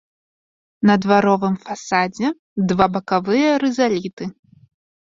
На дваровым фасадзе два бакавыя рызаліты.